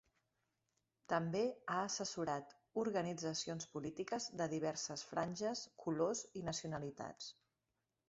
També ha assessorat organitzacions polítiques de diverses franges, colors i nacionalitats.